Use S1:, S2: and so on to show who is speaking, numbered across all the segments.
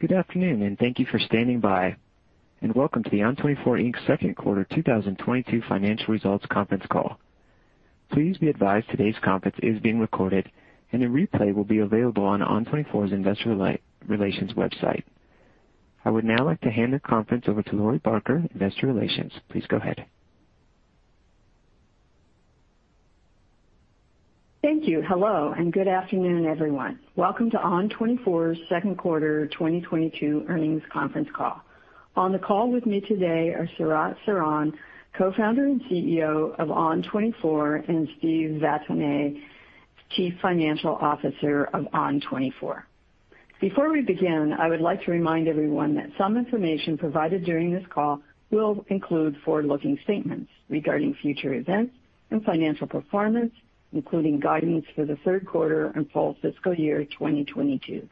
S1: Good afternoon, and thank you for standing by. Welcome to the ON24, Inc.'s second quarter 2022 financial results conference call. Please be advised today's conference is being recorded, and a replay will be available on ON24's investor relations website. I would now like to hand the conference over to Lori Barker, Investor Relations. Please go ahead.
S2: Thank you. Hello, and good afternoon, everyone. Welcome to ON24's second quarter 2022 earnings conference call. On the call with me today are Sharat Sharan, Co-Founder and CEO of ON24, and Steve Vattuone, Chief Financial Officer of ON24. Before we begin, I would like to remind everyone that some information provided during this call will include forward-looking statements regarding future events and financial performance, including guidance for the third quarter and full fiscal year 2022.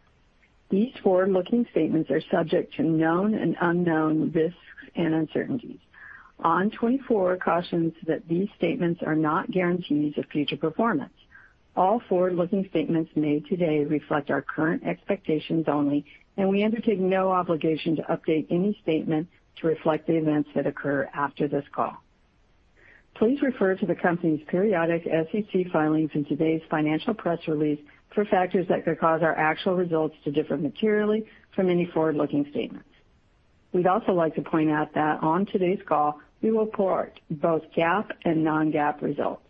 S2: These forward-looking statements are subject to known and unknown risks and uncertainties. ON24 cautions that these statements are not guarantees of future performance. All forward-looking statements made today reflect our current expectations only, and we undertake no obligation to update any statement to reflect the events that occur after this call. Please refer to the company's periodic SEC filings in today's financial press release for factors that could cause our actual results to differ materially from any forward-looking statements. We'd also like to point out that on today's call, we report both GAAP and non-GAAP results.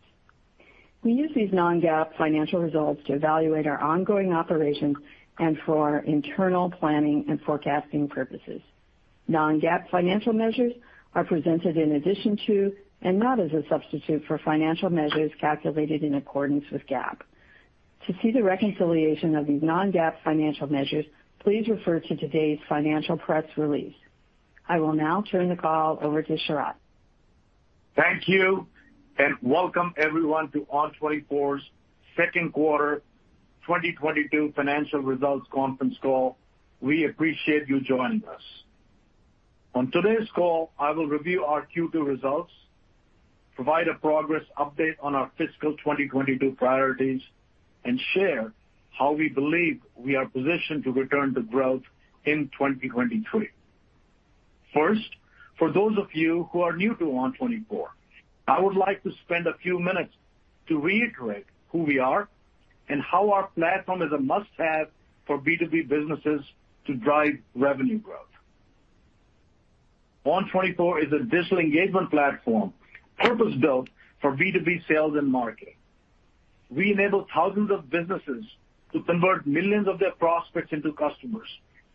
S2: We use these non-GAAP financial results to evaluate our ongoing operations and for our internal planning and forecasting purposes. Non-GAAP financial measures are presented in addition to, and not as a substitute for financial measures calculated in accordance with GAAP. To see the reconciliation of these non-GAAP financial measures, please refer to today's financial press release. I will now turn the call over to Sharat Sharan.
S3: Thank you, and welcome everyone to ON24's second quarter 2022 financial results conference call. We appreciate you joining us. On today's call, I will review our Q2 results, provide a progress update on our fiscal 2022 priorities, and share how we believe we are positioned to return to growth in 2023. First, for those of you who are new to ON24, I would like to spend a few minutes to reiterate who we are and how our platform is a must-have for B2B businesses to drive revenue growth. ON24 is a digital engagement platform purpose-built for B2B sales and marketing. We enable thousands of businesses to convert millions of their prospects into customers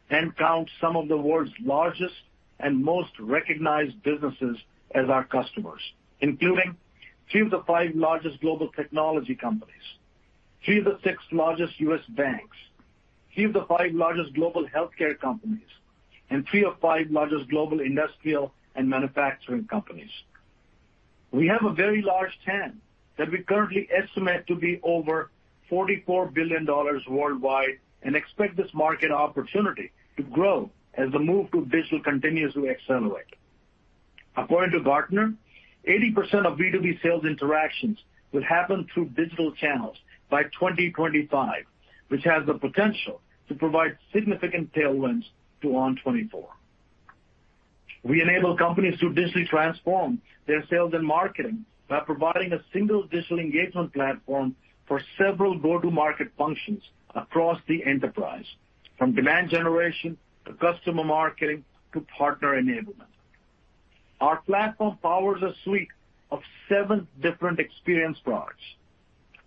S3: and count some of the world's largest and most recognized businesses as our customers, including three of the five largest global technology companies, three of the six largest U.S. banks, three of the five largest global healthcare companies, and three of five largest global industrial and manufacturing companies. We have a very large TAM that we currently estimate to be over $44 billion worldwide and expect this market opportunity to grow as the move to digital continues to accelerate. According to Gartner, 80% of B2B sales interactions will happen through digital channels by 2025, which has the potential to provide significant tailwinds to ON24. We enable companies to digitally transform their sales and marketing by providing a single digital engagement platform for several go-to-market functions across the enterprise, from demand generation to customer marketing to partner enablement. Our platform powers a suite of seven different experience products.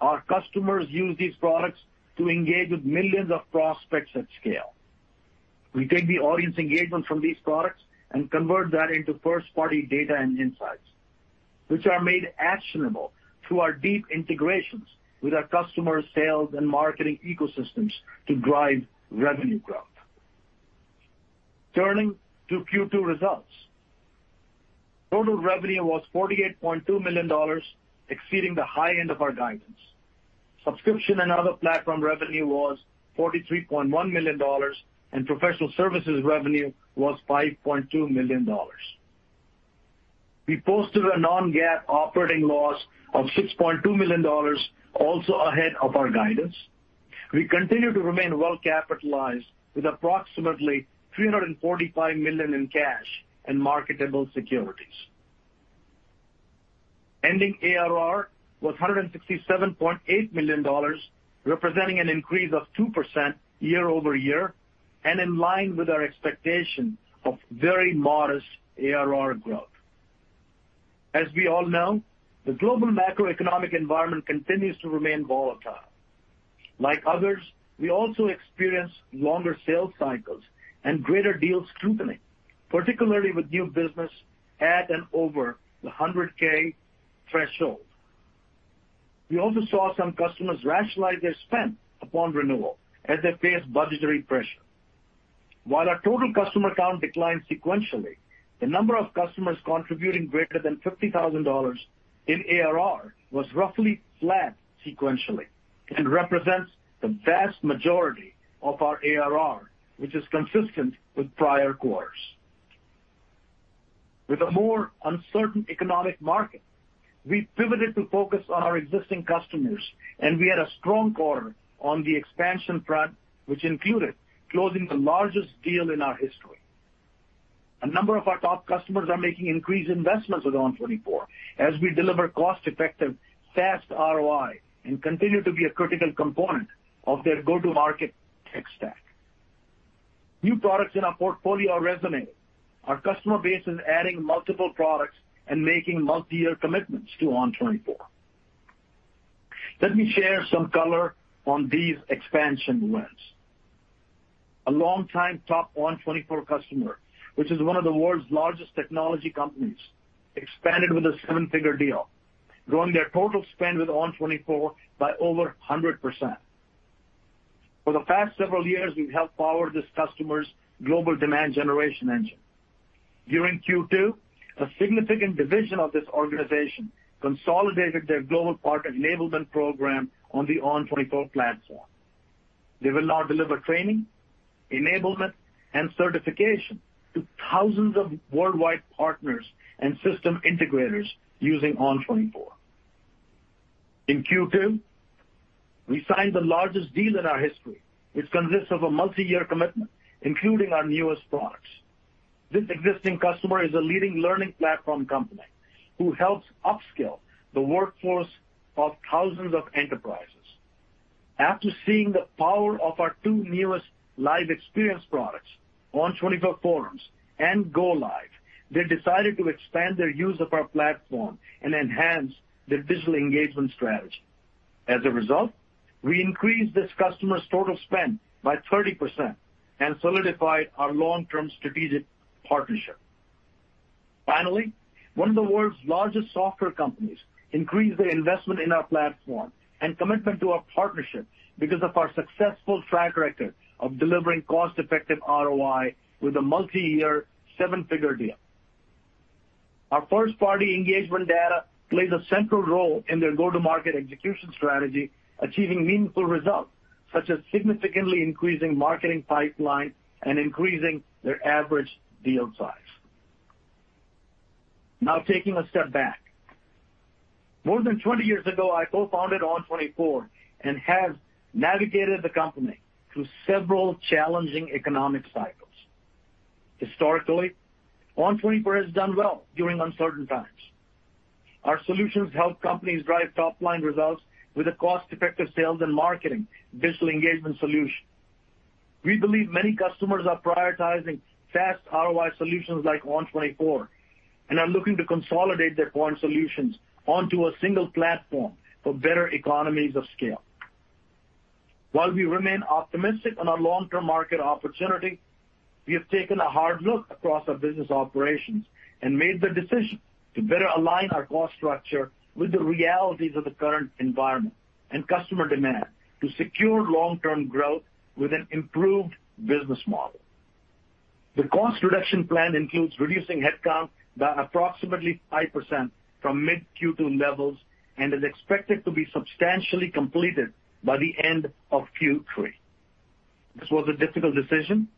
S3: Our customers use these products to engage with millions of prospects at scale. We take the audience engagement from these products and convert that into first-party data and insights, which are made actionable through our deep integrations with our customers' sales and marketing ecosystems to drive revenue growth. Turning to Q2 results. Total revenue was $48.2 million, exceeding the high end of our guidance. Subscription and other platform revenue was $43.1 million, and professional services revenue was $5.2 million. We posted a non-GAAP operating loss of $6.2 million, also ahead of our guidance. We continue to remain well-capitalized with approximately $345 million in cash and marketable securities. Ending ARR was $157.8 million, representing an increase of 2% year-over-year and in line with our expectation of very modest ARR growth. As we all know, the global macroeconomic environment continues to remain volatile. Like others, we also experience longer sales cycles and greater deal scrutiny, particularly with new business at and over the $100K threshold. We also saw some customers rationalize their spend upon renewal as they face budgetary pressure. While our total customer count declined sequentially, the number of customers contributing greater than $50,000 in ARR was roughly flat sequentially and represents the vast majority of our ARR, which is consistent with prior quarters. With a more uncertain economic market, we pivoted to focus on our existing customers, and we had a strong quarter on the expansion front, which included closing the largest deal in our history. A number of our top customers are making increased investments with ON24 as we deliver cost-effective fast ROI and continue to be a critical component of their go-to-market tech stack. New products in our portfolio are resonating. Our customer base is adding multiple products and making multi-year commitments to ON24. Let me share some color on these expansion wins. A long-time top ON24 customer, which is one of the world's largest technology companies, expanded with a seven-figure deal, growing their total spend with ON24 by over 100%. For the past several years, we've helped power this customer's global demand generation engine. During Q2, a significant division of this organization consolidated their global partner enablement program on the ON24 platform. They will now deliver training, enablement, and certification to thousands of worldwide partners and system integrators using ON24. In Q2, we signed the largest deal in our history, which consists of a multi-year commitment, including our newest products. This existing customer is a leading learning platform company who helps upskill the workforce of thousands of enterprises. After seeing the power of our two newest live experience products, ON24 Forums and Go Live, they decided to expand their use of our platform and enhance their digital engagement strategy. As a result, we increased this customer's total spend by 30% and solidified our long-term strategic partnership. Finally, one of the world's largest software companies increased their investment in our platform and commitment to our partnership because of our successful track record of delivering cost-effective ROI with a multi-year seven-figure deal. Our first-party engagement data plays a central role in their go-to-market execution strategy, achieving meaningful results such as significantly increasing marketing pipeline and increasing their average deal size. Now taking a step back. More than 20 years ago, I co-founded ON24 and have navigated the company through several challenging economic cycles. Historically, ON24 has done well during uncertain times. Our solutions help companies drive top-line results with a cost-effective sales and marketing digital engagement solution. We believe many customers are prioritizing fast ROI solutions like ON24 and are looking to consolidate their point solutions onto a single platform for better economies of scale. While we remain optimistic on our long-term market opportunity, we have taken a hard look across our business operations and made the decision to better align our cost structure with the realities of the current environment and customer demand to secure long-term growth with an improved business model. The cost reduction plan includes reducing headcount by approximately 5% from mid-Q2 levels and is expected to be substantially completed by the end of Q3. This was a difficult decision,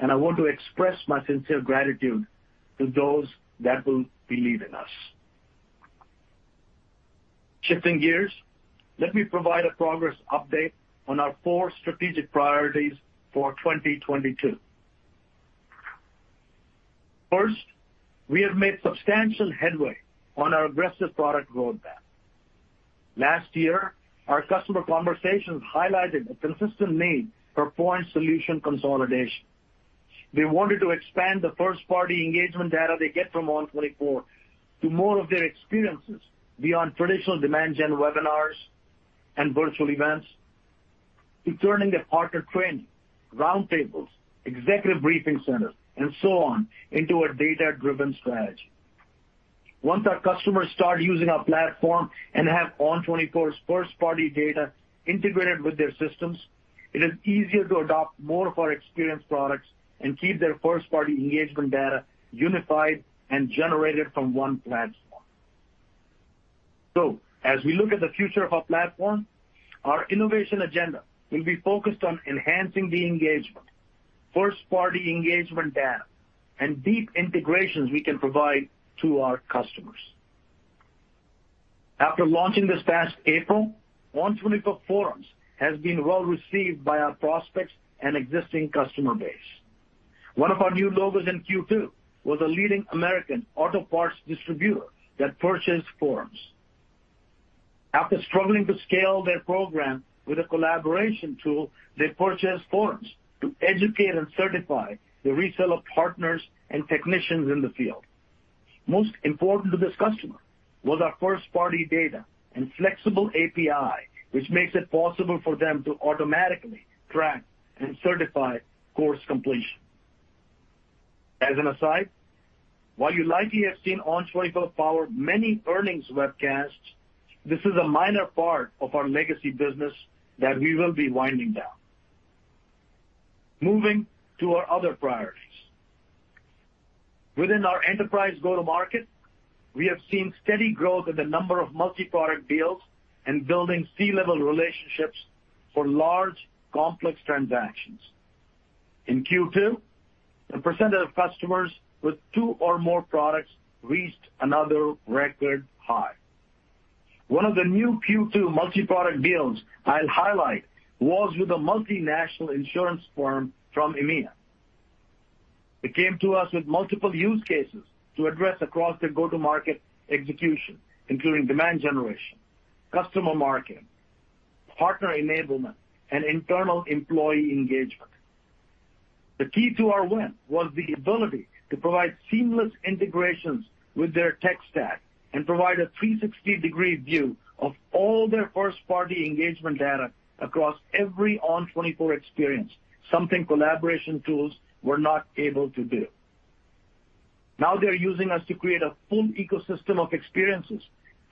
S3: and I want to express my sincere gratitude to those that will believing us. Shifting gears, let me provide a progress update on our four strategic priorities for 2022. First, we have made substantial headway on our aggressive product roadmap. Last year, our customer conversations highlighted a consistent need for point solution consolidation. They wanted to expand the first-party engagement data they get from ON24 to more of their experiences beyond traditional demand gen webinars and virtual events to turning their partner training, roundtables, executive briefing centers, and so on into a data-driven strategy. Once our customers start using our platform and have ON24's first-party data integrated with their systems, it is easier to adopt more of our experience products and keep their first-party engagement data unified and generated from one platform. As we look at the future of our platform, our innovation agenda will be focused on enhancing the engagement, first-party engagement data, and deep integrations we can provide to our customers. After launching this past April, ON24 Forums has been well received by our prospects and existing customer base. One of our new logos in Q2 was a leading American auto parts distributor that purchased Forums. After struggling to scale their program with a collaboration tool, they purchased Forums to educate and certify the reseller partners and technicians in the field. Most important to this customer was our first-party data and flexible API, which makes it possible for them to automatically track and certify course completion. As an aside, while you likely have seen ON24 power many earnings webcasts, this is a minor part of our legacy business that we will be winding down. Moving to our other priorities. Within our enterprise go-to-market, we have seen steady growth in the number of multi-product deals and building C-level relationships for large, complex transactions. In Q2, the percentage of customers with two or more products reached another record high. One of the new Q2 multi-product deals I'll highlight was with a multinational insurance firm from EMEA. They came to us with multiple use cases to address across their go-to-market execution, including demand generation, customer marketing, partner enablement, and internal employee engagement. The key to our win was the ability to provide seamless integrations with their tech stack and provide a 360-degree view of all their first-party engagement data across every ON24 experience, something collaboration tools were not able to do. Now they're using us to create a full ecosystem of experiences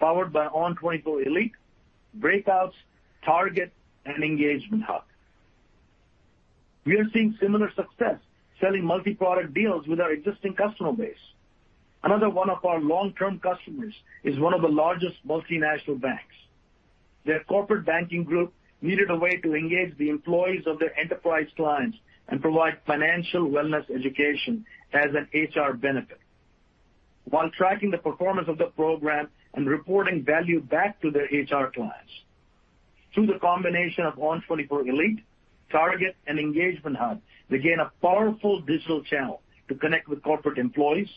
S3: powered by ON24 Elite, Breakouts, Target, and Engagement Hub. We are seeing similar success selling multi-product deals with our existing customer base. Another one of our long-term customers is one of the largest multinational banks. Their corporate banking group needed a way to engage the employees of their enterprise clients and provide financial wellness education as an HR benefit while tracking the performance of the program and reporting value back to their HR clients. Through the combination of ON24 Elite, Target, and Engagement Hub, they gain a powerful digital channel to connect with corporate employees,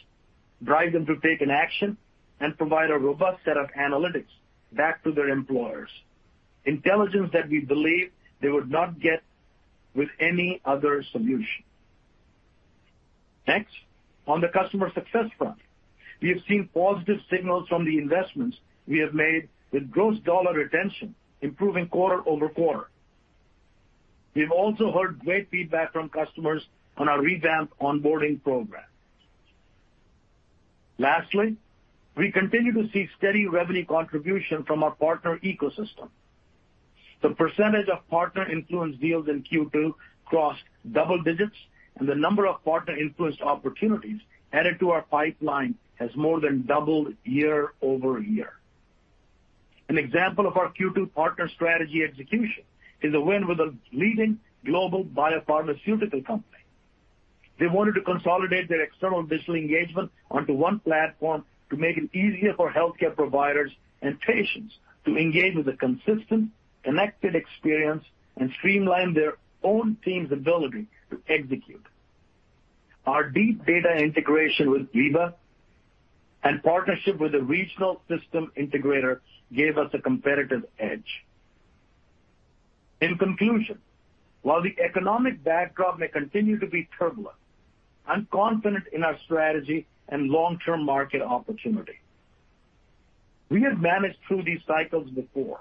S3: drive them to take an action, and provide a robust set of analytics back to their employers. Intelligence that we believe they would not get with any other solution. Next, on the customer success front, we have seen positive signals from the investments we have made with gross dollar retention improving quarter over quarter. We've also heard great feedback from customers on our revamped onboarding program. Lastly, we continue to see steady revenue contribution from our partner ecosystem. The percentage of partner-influenced deals in Q2 crossed double digits, and the number of partner-influenced opportunities added to our pipeline has more than doubled year-over-year. An example of our Q2 partner strategy execution is a win with a leading global biopharmaceutical company. They wanted to consolidate their external digital engagement onto one platform to make it easier for healthcare providers and patients to engage with a consistent, connected experience and streamline their own team's ability to execute. Our deep data integration with Veeva and partnership with a regional system integrator gave us a competitive edge. In conclusion, while the economic backdrop may continue to be turbulent, I'm confident in our strategy and long-term market opportunity. We have managed through these cycles before,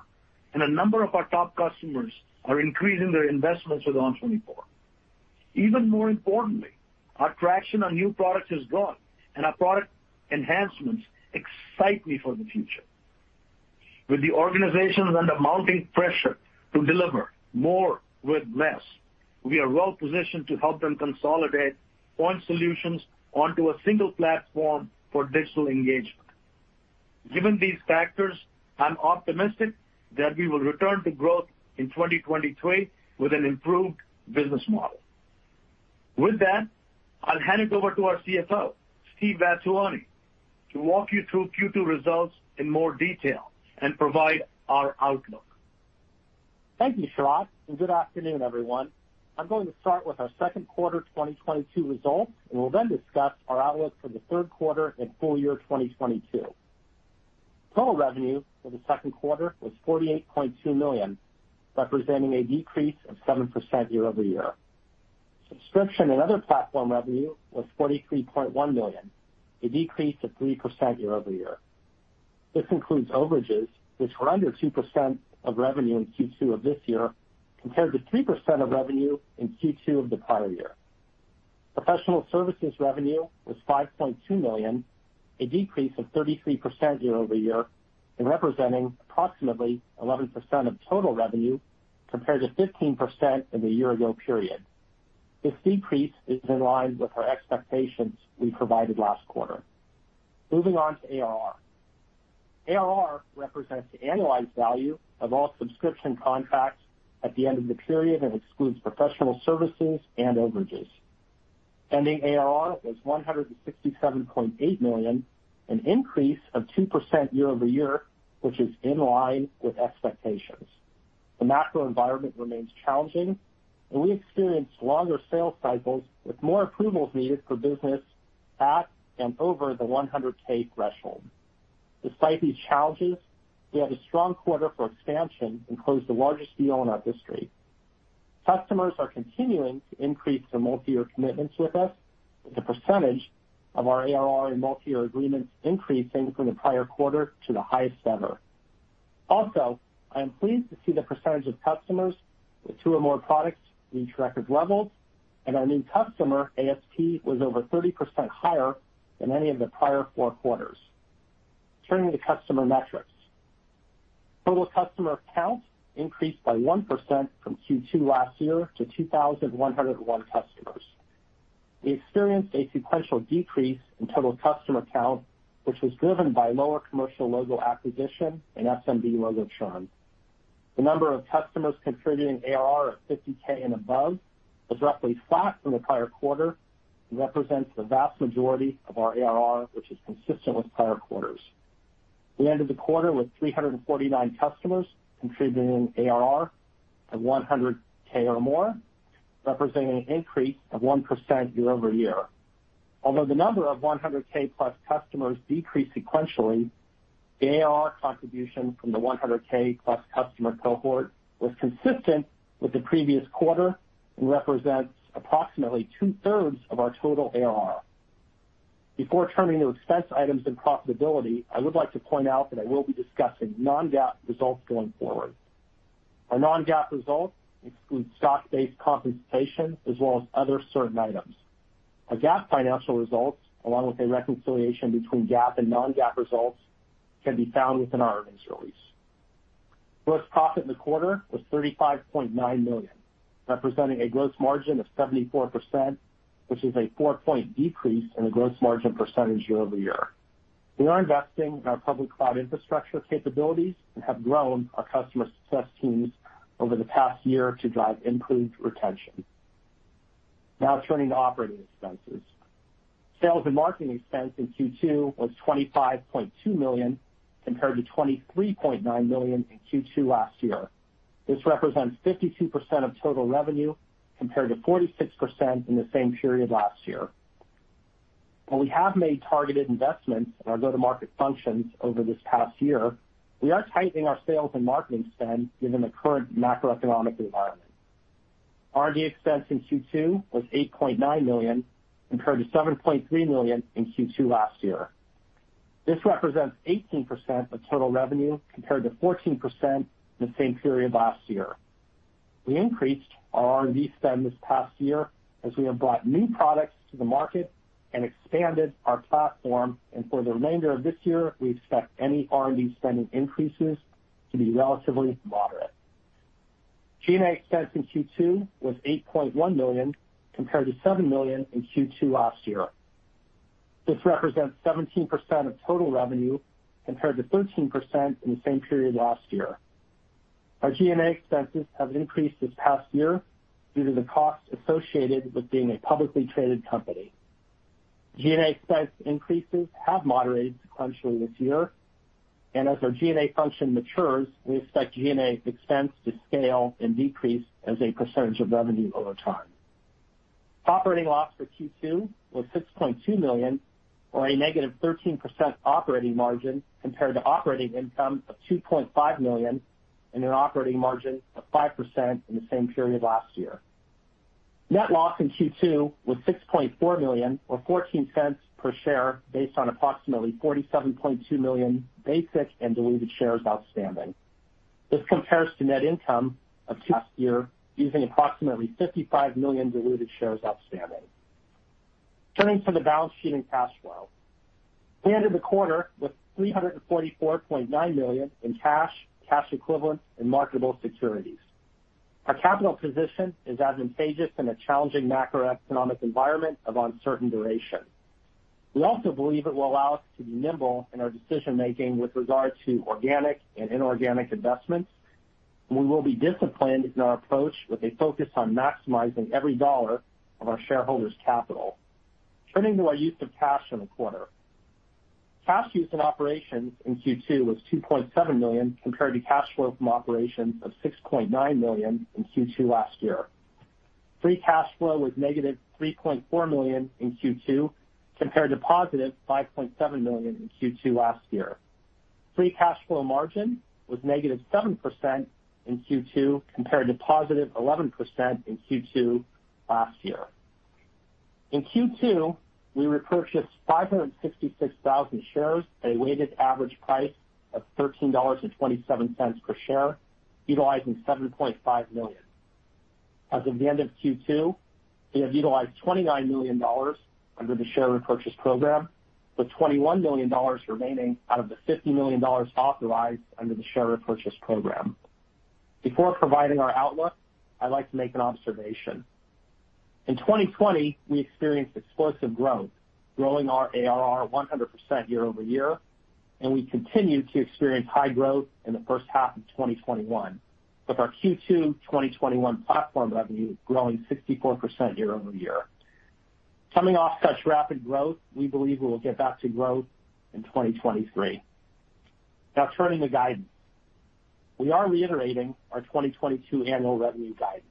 S3: and a number of our top customers are increasing their investments with ON24. Even more importantly, our traction on new products is growing, and our product enhancements excite me for the future. With the organizations under mounting pressure to deliver more with less, we are well positioned to help them consolidate point solutions onto a single platform for digital engagement. Given these factors, I'm optimistic that we will return to growth in 2023 with an improved business model. With that, I'll hand it over to our CFO, Steve Vattuone, to walk you through Q2 results in more detail and provide our outlook.
S4: Thank you, Sharat, and good afternoon, everyone. I'm going to start with our second quarter 2022 results, and we'll then discuss our outlook for the third quarter and full year 2022. Total revenue for the second quarter was $48.2 million, representing a decrease of 7% year-over-year. Subscription and other platform revenue was $43.1 million, a decrease of 3% year-over-year. This includes overages which were under 2% of revenue in Q2 of this year, compared to 3% of revenue in Q2 of the prior year. Professional services revenue was $5.2 million, a decrease of 33% year-over-year, and representing approximately 11% of total revenue compared to 15% in the year ago period. This decrease is in line with our expectations we provided last quarter. Moving on to ARR. ARR represents the annualized value of all subscription contracts at the end of the period and excludes professional services and overages. Ending ARR was $167.8 million, an increase of 2% year-over-year, which is in line with expectations. The macro environment remains challenging and we experienced longer sales cycles with more approvals needed for business at and over the $100K threshold. Despite these challenges, we had a strong quarter for expansion and closed the largest deal in our history. Customers are continuing to increase their multi-year commitments with us, with the percentage of our ARR in multi-year agreements increasing from the prior quarter to the highest ever. Also, I am pleased to see the percentage of customers with two or more products reach record levels, and our new customer ASP was over 30% higher than any of the prior four quarters. Turning to customer metrics. Total customer count increased by 1% from Q2 last year to 2,101 customers. We experienced a sequential decrease in total customer count, which was driven by lower commercial logo acquisition and SMB logo churn. The number of customers contributing ARR of 50K and above was roughly flat from the prior quarter and represents the vast majority of our ARR, which is consistent with prior quarters. We ended the quarter with 349 customers contributing ARR of 100K or more, representing an increase of 1% year-over-year. Although the number of 100K plus customers decreased sequentially, the ARR contribution from the 100K plus customer cohort was consistent with the previous quarter and represents approximately two-thirds of our total ARR. Before turning to expense items and profitability, I would like to point out that I will be discussing non-GAAP results going forward. Our non-GAAP results exclude stock-based compensation as well as other certain items. Our GAAP financial results, along with a reconciliation between GAAP and non-GAAP results, can be found within our earnings release. Gross profit in the quarter was $35.9 million, representing a gross margin of 74%, which is a four-point decrease in the gross margin percentage year-over-year. We are investing in our public cloud infrastructure capabilities and have grown our customer success teams over the past year to drive improved retention. Now turning to operating expenses. Sales and marketing expense in Q2 was $25.2 million compared to $23.9 million in Q2 last year. This represents 52% of total revenue compared to 46% in the same period last year. While we have made targeted investments in our go-to-market functions over this past year, we are tightening our sales and marketing spend given the current macroeconomic environment. R&D expense in Q2 was $8.9 million compared to $7.3 million in Q2 last year. This represents 18% of total revenue compared to 14% in the same period last year. We increased our R&D spend this past year as we have brought new products to the market and expanded our platform. For the remainder of this year, we expect any R&D spending increases to be relatively moderate. G&A expense in Q2 was $8.1 million compared to $7 million in Q2 last year. This represents 17% of total revenue compared to 13% in the same period last year. Our G&A expenses have increased this past year due to the costs associated with being a publicly traded company. G&A expense increases have moderated sequentially this year. As our G&A function matures, we expect G&A expense to scale and decrease as a percentage of revenue over time. Operating loss for Q2 was $6.2 million or a -13% operating margin compared to operating income of $2.5 million and an operating margin of 5% in the same period last year. Net loss in Q2 was $6.4 million or $0.14 per share based on approximately 47.2 million basic and diluted shares outstanding. This compares to net income of last year using approximately 55 million diluted shares outstanding. Turning to the balance sheet and cash flow. We ended the quarter with $344.9 million in cash equivalents and marketable securities. Our capital position is advantageous in a challenging macroeconomic environment of uncertain duration. We also believe it will allow us to be nimble in our decision-making with regard to organic and inorganic investments. We will be disciplined in our approach with a focus on maximizing every dollar of our shareholders' capital. Turning to our use of cash in the quarter. Cash use in operations in Q2 was $2.7 million compared to cash flow from operations of $6.9 million in Q2 last year. Free cash flow was -$3.4 million in Q2 compared to $5.7 million in Q2 last year. Free cash flow margin was negative 7% in Q2 compared to positive 11% in Q2 last year. In Q2, we repurchased 566,000 shares at a weighted average price of $13.27 per share, utilizing $7.5 million. As of the end of Q2, we have utilized $29 million under the share repurchase program, with $21 million remaining out of the $50 million authorized under the share repurchase program. Before providing our outlook, I'd like to make an observation. In 2020, we experienced explosive growth, growing our ARR 100% year-over-year, and we continued to experience high growth in the first half of 2021, with our Q2 2021 platform revenue growing 64% year-over-year. Coming off such rapid growth, we believe we will get back to growth in 2023. Now turning to guidance. We are reiterating our 2022 annual revenue guidance.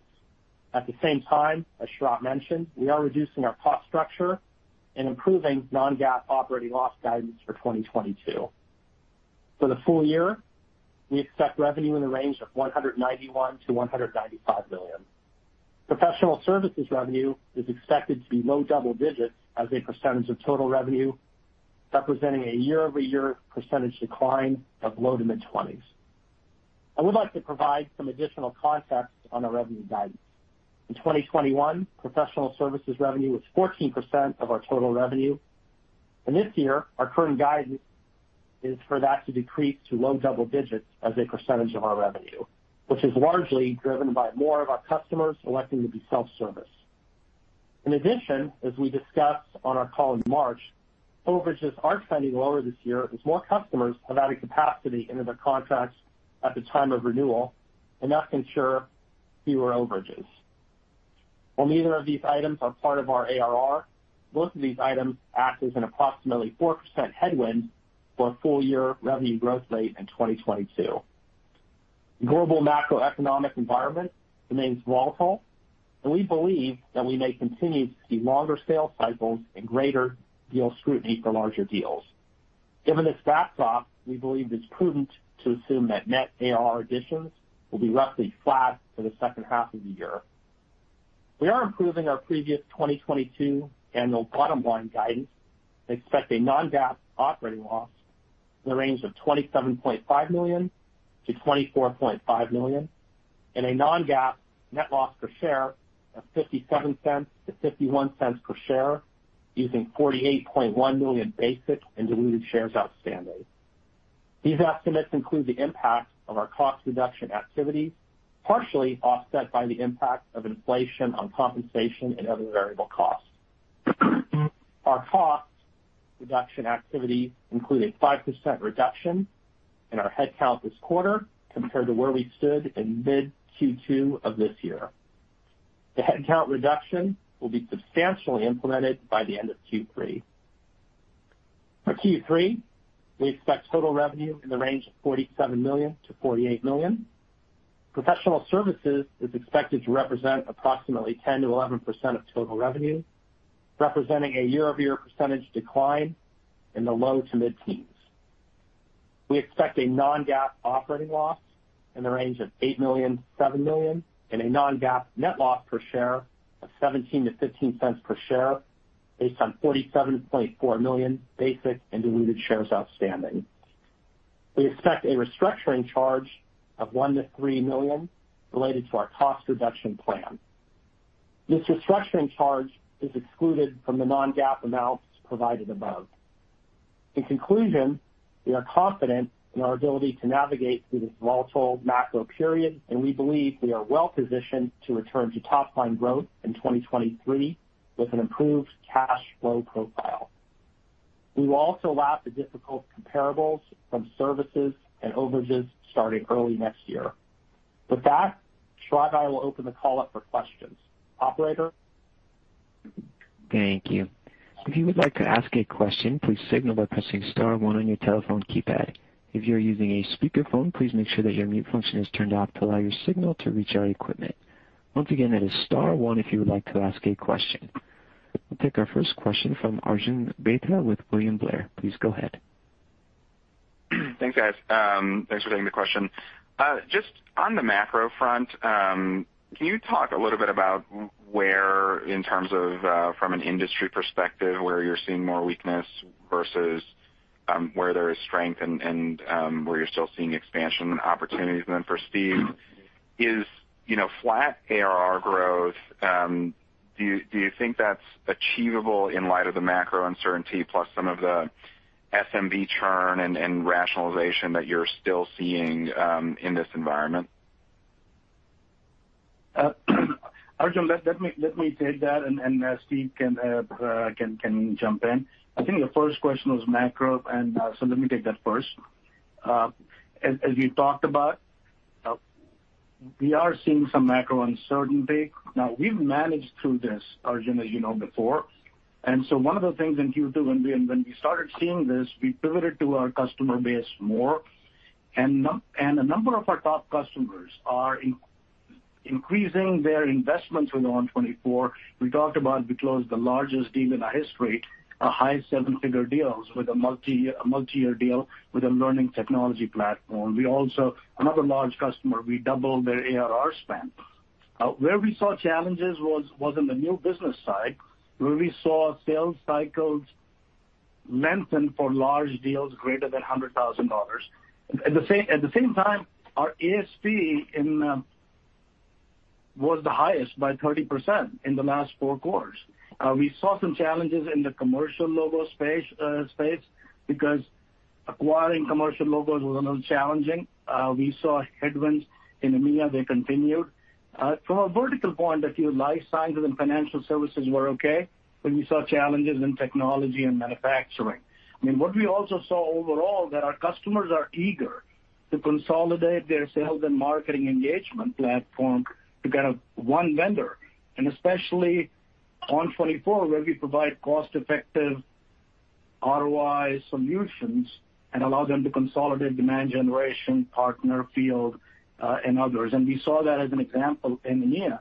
S4: At the same time, as Sharat mentioned, we are reducing our cost structure and improving non-GAAP operating loss guidance for 2022. For the full year, we expect revenue in the range of $191 million-$195 million. Professional services revenue is expected to be low double digits as a percentage of total revenue, representing a year-over-year percentage decline of low to mid-twenties. I would like to provide some additional context on our revenue guidance. In 2021, professional services revenue was 14% of our total revenue. This year, our current guidance is for that to decrease to low double digits as a percentage of our revenue, which is largely driven by more of our customers electing to be self-service. In addition, as we discussed on our call in March, overages are trending lower this year as more customers have added capacity into their contracts at the time of renewal, and that can ensure fewer overages. While neither of these items are part of our ARR, both of these items act as an approximately 4% headwind for our full-year revenue growth rate in 2022. Global macroeconomic environment remains volatile, and we believe that we may continue to see longer sales cycles and greater deal scrutiny for larger deals. Given this backdrop, we believe it's prudent to assume that net ARR additions will be roughly flat for the second half of the year. We are improving our previous 2022 annual bottom-line guidance and expect a non-GAAP operating loss in the range of $27.5 million-$24.5 million, and a non-GAAP net loss per share of $0.57-$0.51 per share, using 48.1 million basic and diluted shares outstanding. These estimates include the impact of our cost reduction activity, partially offset by the impact of inflation on compensation and other variable costs. Our cost reduction activity included 5% reduction in our head count this quarter compared to where we stood in mid-Q2 of this year. The head count reduction will be substantially implemented by the end of Q3. For Q3, we expect total revenue in the range of $47 million-$48 million. Professional services is expected to represent approximately 10%-11% of total revenue, representing a year-over-year percentage decline in the low to mid-teens%. We expect a non-GAAP operating loss in the range of $8 million-$7 million, and a non-GAAP net loss per share of $0.17-$0.15 per share based on 47.4 million basic and diluted shares outstanding. We expect a restructuring charge of $1 million-$3 million related to our cost reduction plan. This restructuring charge is excluded from the non-GAAP amounts provided above. In conclusion, we are confident in our ability to navigate through this volatile macro period, and we believe we are well positioned to return to top line growth in 2023 with an improved cash flow profile. We will also lap the difficult comparables from services and overages starting early next year. With that, Sharat and I will open the call up for questions. Operator?
S1: Thank you. If you would like to ask a question, please signal by pressing star one on your telephone keypad. If you are using a speakerphone, please make sure that your mute function is turned off to allow your signal to reach our equipment. Once again, that is star one if you would like to ask a question. We'll take our first question from Arjun Bhatia with William Blair. Please go ahead.
S5: Thanks, guys. Thanks for taking the question. Just on the macro front, can you talk a little bit about where in terms of, from an industry perspective, where you're seeing more weakness versus, where there is strength and where you're still seeing expansion opportunities? Then for Steve, is, you know, flat ARR growth, do you think that's achievable in light of the macro uncertainty plus some of the SMB churn and rationalization that you're still seeing, in this environment?
S3: Arjun, let me take that and Steve can jump in. I think the first question was macro and so let me take that first. As we talked about, we are seeing some macro uncertainty. Now we've managed through this, Arjun, as you know before. One of the things in Q2 when we started seeing this, we pivoted to our customer base more, and a number of our top customers are increasing their investments with ON24. We talked about we closed the largest deal in our history, a high seven-figure deal with a multi-year deal with a learning technology platform. We also, another large customer, we doubled their ARR spend. Where we saw challenges was in the new business side, where we saw sales cycles lengthen for large deals greater than $100,000. At the same time, our ASP was the highest by 30% in the last four quarters. We saw some challenges in the commercial logo space because acquiring commercial logos was a little challenging. We saw headwinds in EMEA. They continued. From a vertical point of view, life sciences and financial services were okay, but we saw challenges in technology and manufacturing. I mean, what we also saw overall that our customers are eager to consolidate their sales and marketing engagement platform to kind of one vendor, and especially ON24, where we provide cost-effective ROI solutions and allow them to consolidate demand generation, partner, field, and others. We saw that as an example in EMEA.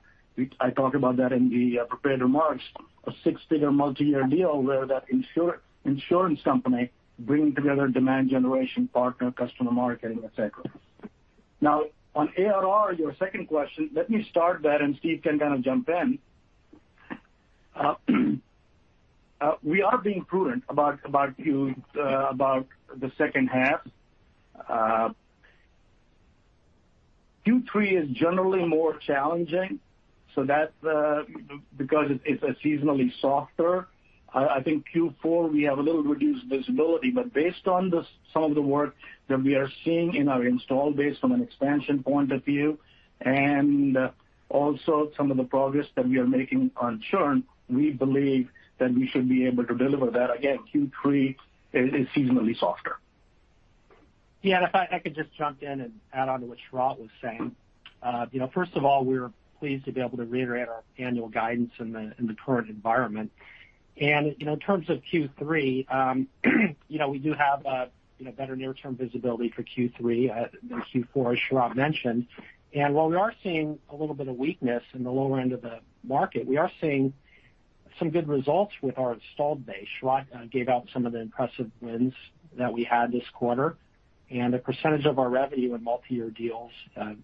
S3: I talked about that in the prepared remarks, a six-figure multi-year deal where that insurance company bringing together demand generation partner, customer marketing, et cetera. Now on ARR, your second question, let me start that and Steve can kind of jump in. We are being prudent about the second half. Q3 is generally more challenging, so that's because it's seasonally softer. I think Q4 we have a little reduced visibility, but based on some of the work that we are seeing in our install base from an expansion point of view, and also some of the progress that we are making on churn, we believe that we should be able to deliver that. Again, Q3 is seasonally softer.
S4: Yeah, if I could just jump in and add on to what Sharat was saying. You know, first of all, we're pleased to be able to reiterate our annual guidance in the current environment. You know, in terms of Q3, you know, we do have better near-term visibility for Q3 than Q4, as Sharat mentioned. While we are seeing a little bit of weakness in the lower end of the market, we are seeing some good results with our installed base. Sharat gave out some of the impressive wins that we had this quarter. The percentage of our revenue in multi-year deals,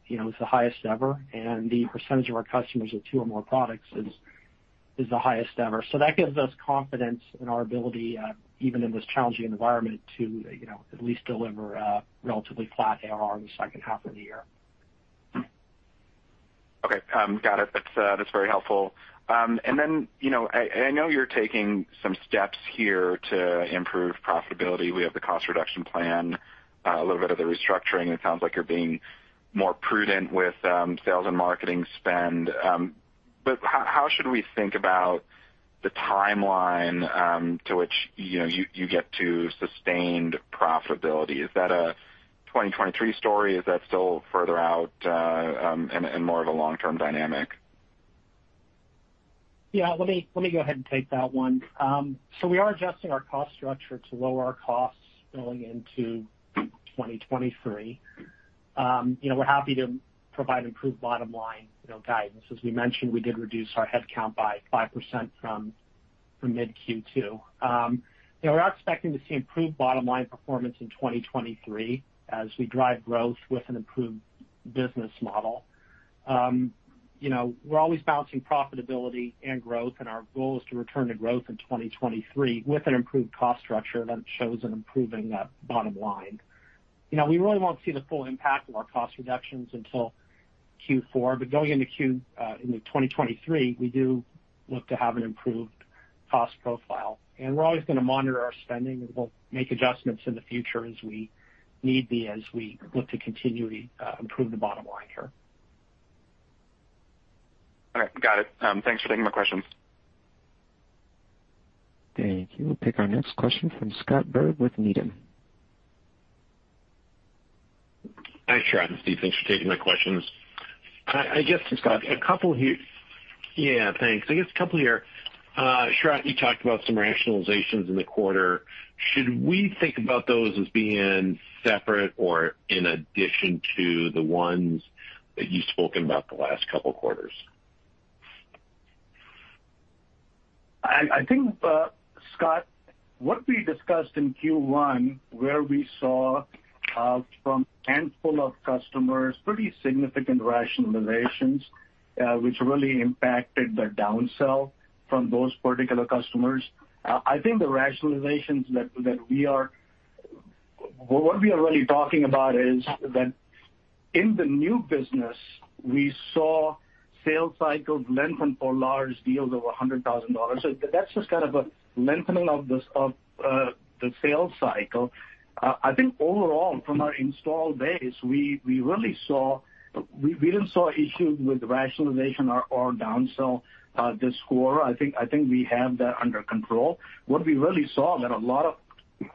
S4: you know, is the highest ever, and the percentage of our customers with two or more products is the highest ever. That gives us confidence in our ability, even in this challenging environment to, you know, at least deliver a relatively flat ARR in the second half of the year.
S5: Okay. Got it. That's very helpful. And then, you know, I know you're taking some steps here to improve profitability. We have the cost reduction plan, a little bit of the restructuring. It sounds like you're being more prudent with sales and marketing spend. But how should we think about the timeline to which you get to sustained profitability? Is that a 2023 story? Is that still further out, and more of a long-term dynamic?
S4: Yeah, let me go ahead and take that one. So we are adjusting our cost structure to lower our costs going into 2023. You know, we're happy to provide improved bottom line, you know, guidance. As we mentioned, we did reduce our headcount by 5% from mid Q2. You know, we are expecting to see improved bottom line performance in 2023 as we drive growth with an improved business model. You know, we're always balancing profitability and growth, and our goal is to return to growth in 2023 with an improved cost structure that shows an improving bottom line. You know, we really won't see the full impact of our cost reductions until Q4, but going into 2023, we do look to have an improved cost profile. We're always gonna monitor our spending, and we'll make adjustments in the future as we need be, as we look to continually improve the bottom line here.
S5: All right. Got it. Thanks for taking my questions.
S1: Thank you. We'll take our next question from Scott Berg with Needham.
S6: Hi, Sharat and Steve. Thanks for taking my questions. I guess-
S3: Hi, Scott.
S6: A couple here. Yeah, thanks. I guess a couple here. Sharat, you talked about some rationalizations in the quarter. Should we think about those as being separate or in addition to the ones that you've spoken about the last couple quarters?
S3: I think, Scott, what we discussed in Q1, where we saw from handful of customers, pretty significant rationalizations, which really impacted the down sell from those particular customers. I think the rationalizations that we are really talking about is that in the new business, we saw sales cycles lengthen for large deals over $100,000. That's just kind of a lengthening of the sales cycle. I think overall from our install base, we really saw. We didn't see issues with rationalization or down sell, this quarter. I think we have that under control. What we really saw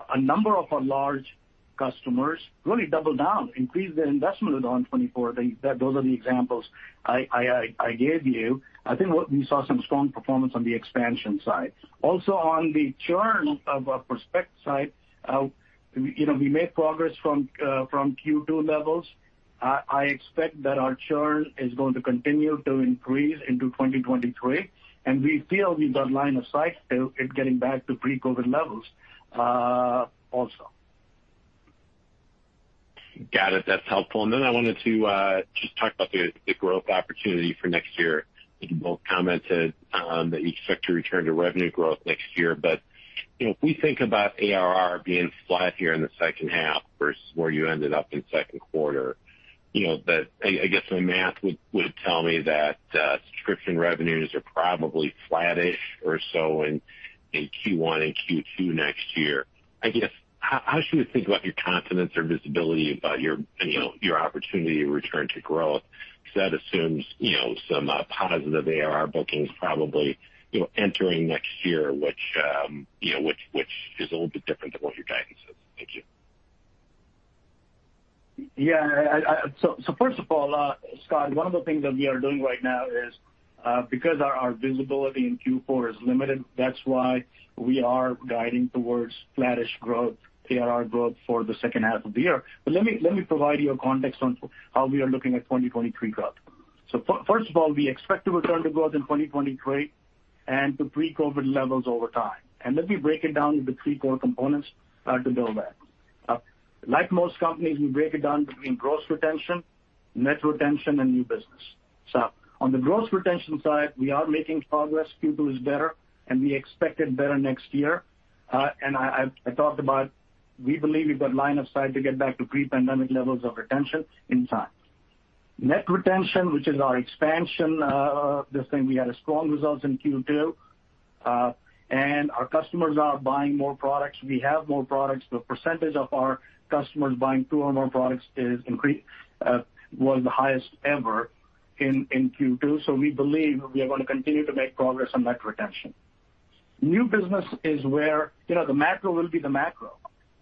S3: a number of our large customers really double down, increase their investment ON24. Those are the examples I gave you. I think what we saw some strong performance on the expansion side. Also on the churn of our prospect side, you know, we made progress from Q2 levels. I expect that our churn is going to continue to increase into 2023, and we feel we've got line of sight to it getting back to pre-COVID levels, also.
S6: Got it. That's helpful. I wanted to just talk about the growth opportunity for next year. You both commented that you expect to return to revenue growth next year. You know, if we think about ARR being flat here in the second half versus where you ended up in second quarter, you know, I guess my math would tell me that subscription revenues are probably flattish or so in Q1 and Q2 next year. I guess, how should we think about your confidence or visibility about your you know your opportunity to return to growth? Because that assumes, you know, some positive ARR bookings probably, you know, entering next year, which you know which is a little bit different than what your guidance is. Thank you.
S3: Yeah, first of all, Scott, one of the things that we are doing right now is because our visibility in Q4 is limited, that's why we are guiding towards flattish growth, ARR growth for the second half of the year. Let me provide you a context on how we are looking at 2023 growth. First of all, we expect to return to growth in 2023 and to pre-COVID levels over time. Let me break it down into the three core components to build that. Like most companies, we break it down between gross retention, net retention, and new business. On the gross retention side, we are making progress. Q2 is better, and we expect it better next year. I talked about we believe we've got line of sight to get back to pre-pandemic levels of retention in time. Net retention, which is our expansion, this thing, we had strong results in Q2, and our customers are buying more products. We have more products. The percentage of our customers buying two or more products is increased, was the highest ever in Q2. We believe we are going to continue to make progress on net retention. New business is where, you know, the macro will be the macro,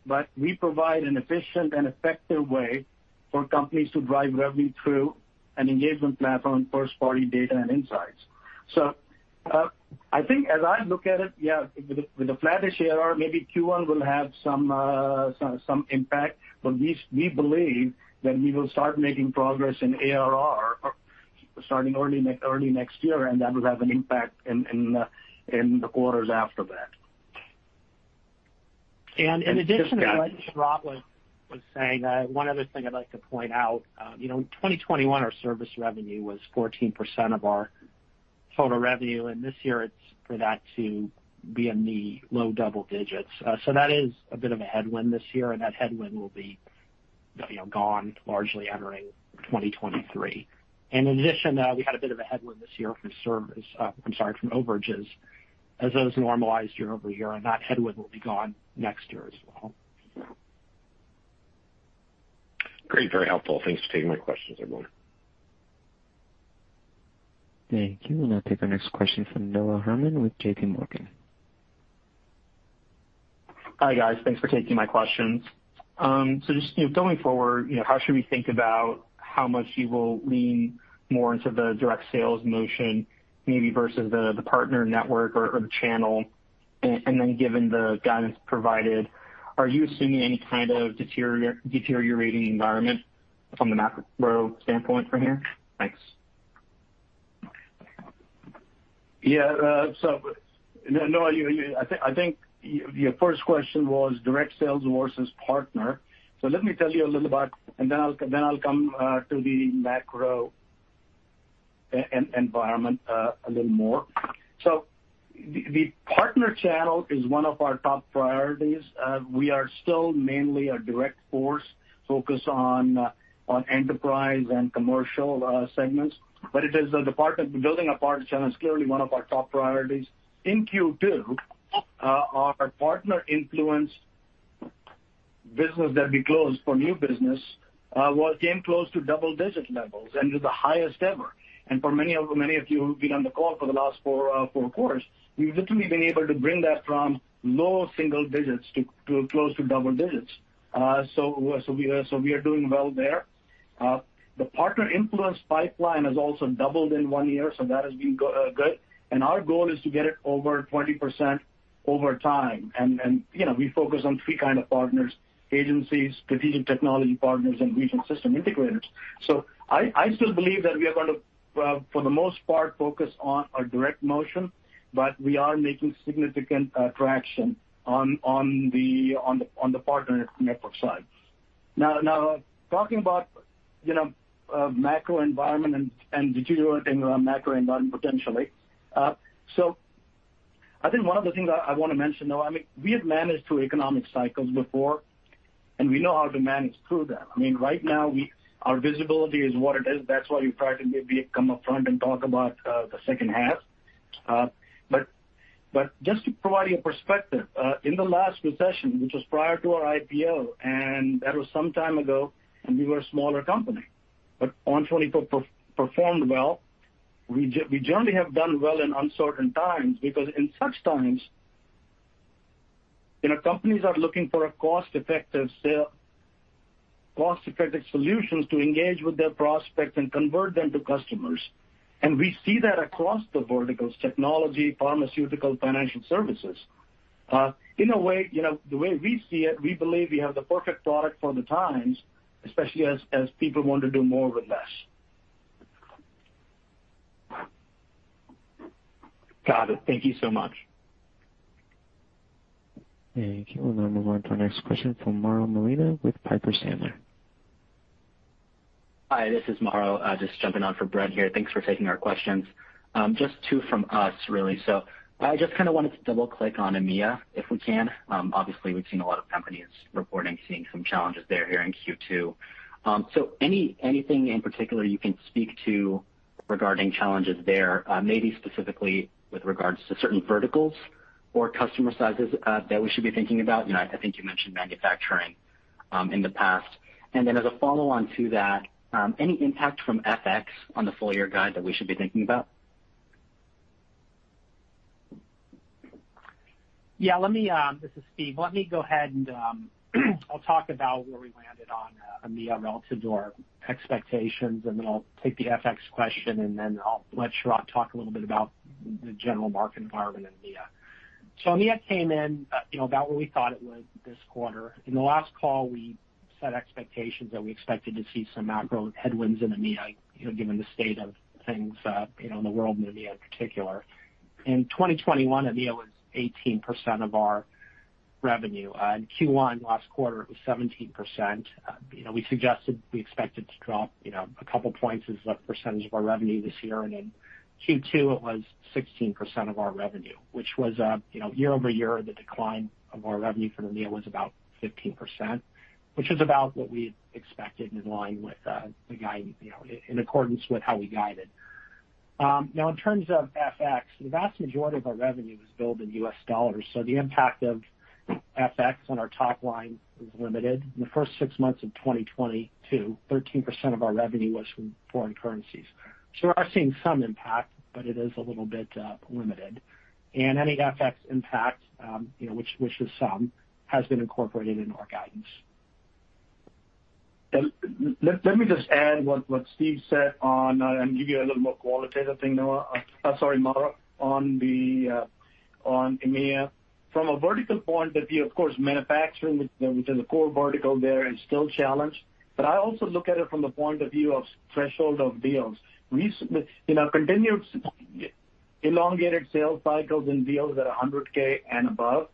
S3: but we provide an efficient and effective way for companies to drive revenue through an engagement platform, first-party data and insights. I think as I look at it, with the flattish ARR, maybe Q1 will have some impact. We believe that we will start making progress in ARR starting early next year, and that will have an impact in the quarters after that.
S4: In addition to what Sharat was saying, one other thing I'd like to point out, you know, in 2021 our service revenue was 14% of our total revenue, and this year it's forecast to be in the low double digits. So that is a bit of a headwind this year, and that headwind will be, you know, gone largely entering 2023. In addition, we had a bit of a headwind this year from service, I'm sorry, from overages, as those normalized year-over-year, and that headwind will be gone next year as well.
S6: Great. Very helpful. Thanks for taking my questions, everyone.
S1: Thank you. We'll now take our next question from Noah Herman with JPMorgan.
S7: Hi, guys. Thanks for taking my questions. Just, you know, going forward, you know, how should we think about how much you will lean more into the direct sales motion maybe versus the partner network or the channel? Then, given the guidance provided, are you assuming any kind of deteriorating environment from the macro standpoint from here? Thanks.
S3: Yeah. Noah, I think your first question was direct sales versus partner. Let me tell you a little about and then I'll come to the macro environment a little more. The partner channel is one of our top priorities. We are still mainly a direct force focused on enterprise and commercial segments. Building a partner channel is clearly one of our top priorities. In Q2, our partner influence business that we closed for new business came close to double-digit levels and to the highest ever. For many of you who've been on the call for the last four quarters, we've literally been able to bring that from low single digits to close to double digits. We are doing well there. The partner influence pipeline has also doubled in 1 year, so that has been good. Our goal is to get it over 20% over time. You know, we focus on 3 kind of partners, agencies, strategic technology partners, and regional system integrators. I still believe that we are going to, for the most part, focus on our direct motion, but we are making significant traction on the partner network side. Now talking about, you know, macro environment and deteriorating macro environment potentially. I think one of the things I want to mention, though, I mean, we have managed through economic cycles before, and we know how to manage through them. I mean, right now our visibility is what it is. That's why we try to be upfront and talk about the second half. Just to provide you perspective, in the last recession, which was prior to our IPO, and that was some time ago, and we were a smaller company, but ON24 performed well. We generally have done well in uncertain times because in such times, you know, companies are looking for a cost-effective sales, cost-effective solutions to engage with their prospects and convert them to customers. We see that across the verticals, technology, pharmaceutical, financial services. In a way, you know, the way we see it, we believe we have the perfect product for the times, especially as people want to do more with less.
S7: Got it. Thank you so much.
S1: Thank you. We'll now move on to our next question from Mauro Molina with Piper Sandler.
S8: Hi, this is Mauro. Just jumping on for Brent here. Thanks for taking our questions. Just two from us, really. I just kind of wanted to double-click on EMEA, if we can. Obviously, we've seen a lot of companies reporting seeing some challenges there here in Q2. Anything in particular you can speak to regarding challenges there, maybe specifically with regards to certain verticals or customer sizes, that we should be thinking about? You know, I think you mentioned manufacturing in the past. As a follow-on to that, any impact from FX on the full-year guide that we should be thinking about?
S4: This is Steve. Let me go ahead and I'll talk about where we landed on EMEA relative to our expectations, and then I'll take the FX question, and then I'll let Sharat talk a little bit about the general market environment in EMEA. EMEA came in, you know, about where we thought it would this quarter. In the last call, we set expectations that we expected to see some macro headwinds in EMEA, you know, given the state of things in the world and EMEA in particular. In 2021, EMEA was 18% of our... Revenue. In Q1 last quarter, it was 17%. You know, we suggested we expect it to drop, you know, a couple points as a percentage of our revenue this year. In Q2, it was 16% of our revenue, which was, you know, year over year, the decline of our revenue from EMEA was about 15%, which is about what we expected and in line with the guide, you know, in accordance with how we guided. Now in terms of FX, the vast majority of our revenue is billed in U.S. dollars, so the impact of FX on our top line is limited. In the first six months of 2022, 13% of our revenue was from foreign currencies. We are seeing some impact, but it is a little bit limited. Any FX impact, you know, which has been incorporated into our guidance.
S3: Let me just add what Steve said on and give you a little more qualitative thing, Noah, sorry, Mark, on the on EMEA. From a vertical point of view, of course, manufacturing, which is a core vertical there is still challenged. I also look at it from the point of view of threshold of deals. Continued elongated sales cycles and deals that are $100K and above,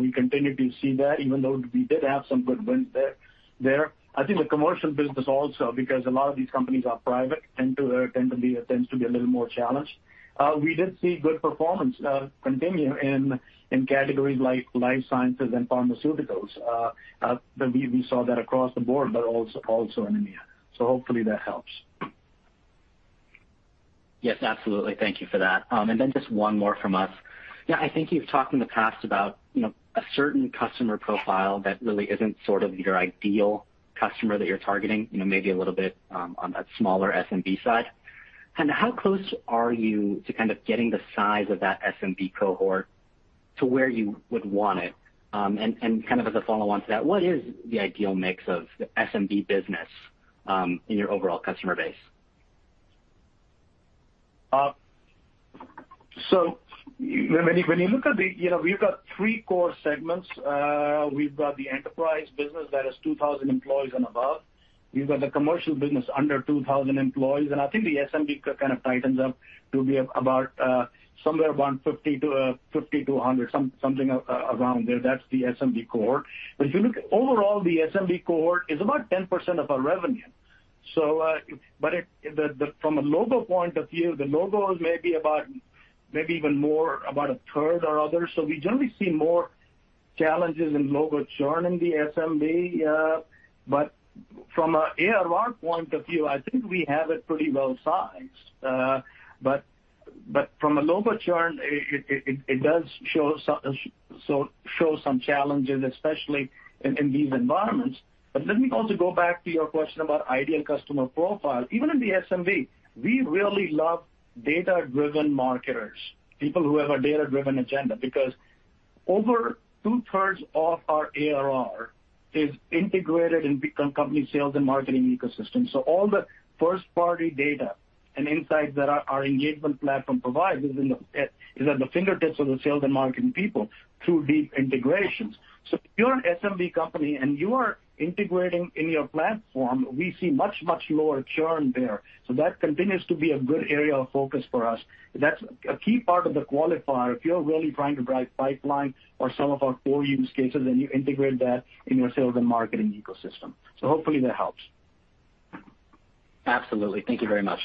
S3: we continue to see that even though we did have some good wins there. I think the commercial business also because a lot of these companies are private, tends to be a little more challenged. We did see good performance continue in categories like life sciences and pharmaceuticals. We saw that across the board, but also in EMEA. Hopefully that helps.
S8: Yes, absolutely. Thank you for that. Just one more from us. You know, I think you've talked in the past about, you know, a certain customer profile that really isn't sort of your ideal customer that you're targeting, you know, maybe a little bit, on that smaller SMB side. Kind of how close are you to kind of getting the size of that SMB cohort to where you would want it? Kind of as a follow-on to that, what is the ideal mix of SMB business, in your overall customer base?
S3: When you look at the, you know, we've got three core segments. We've got the enterprise business that has 2000 employees and above. We've got the commercial business under 2000 employees. I think the SMB kind of tightens up to be about somewhere around 50-100, something around there. That's the SMB cohort. If you look overall, the SMB cohort is about 10% of our revenue. From a logo point of view, the logos may be maybe even more, about a third or so. We generally see more challenges in logo churn in the SMB. From an ARR point of view, I think we have it pretty well sized. From a logo churn, it does show some challenges, especially in these environments. Let me also go back to your question about ideal customer profile. Even in the SMB, we really love data-driven marketers, people who have a data-driven agenda, because over two-thirds of our ARR is integrated in big company sales and marketing ecosystem. All the first-party data and insights that our engagement platform provides is at the fingertips of the sales and marketing people through these integrations. If you're an SMB company and you are integrating in your platform, we see much lower churn there. That continues to be a good area of focus for us. That's a key part of the qualifier. If you're really trying to drive pipeline or some of our core use cases, and you integrate that in your sales and marketing ecosystem. Hopefully that helps.
S8: Absolutely. Thank you very much.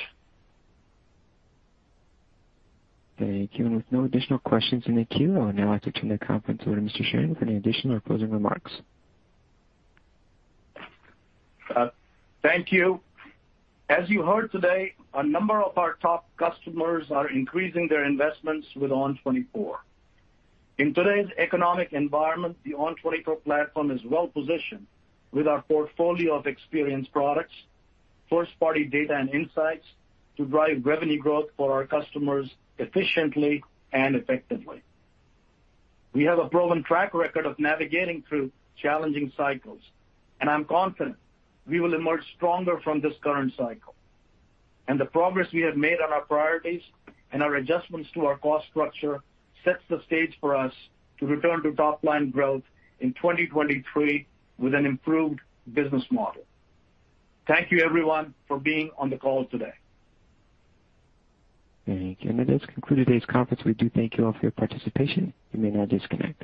S1: Thank you. With no additional questions in the queue, I would now like to turn the conference over to Mr. Sharat Sharan for any additional or closing remarks.
S3: Thank you. As you heard today, a number of our top customers are increasing their investments with ON24. In today's economic environment, the ON24 platform is well positioned with our portfolio of experience products, first-party data and insights to drive revenue growth for our customers efficiently and effectively. We have a proven track record of navigating through challenging cycles, and I'm confident we will emerge stronger from this current cycle. The progress we have made on our priorities and our adjustments to our cost structure sets the stage for us to return to top line growth in 2023 with an improved business model. Thank you everyone for being on the call today.
S1: Thank you. That does conclude today's conference. We do thank you all for your participation. You may now disconnect.